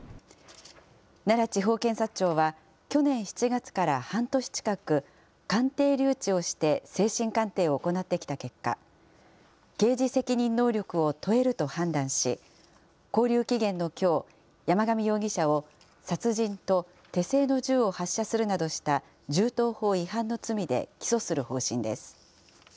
奈良地方検察庁は、去年７月から半年近く、鑑定留置をして精神鑑定を行ってきた結果、刑事責任能力を問えると判断し、勾留期限のきょう、山上容疑者を、殺人と手製の銃を発射するなどした銃刀法違反の罪で起訴する方針です。